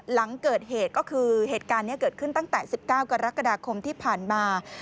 หลังเกิดเหตุก็คือเหตุการณ์นี้เกิดขึ้นตั้งแต่๑๙กรกฎาคมที่ผ่านมา